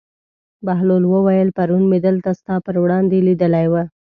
بهلول وویل: پرون مې دلته ستا پر وړاندې لیدلی و.